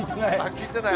聞いてない？